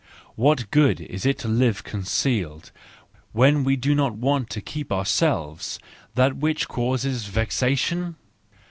What good is it to live concealed, when we do not want to keep to ourselves that which causes vexation?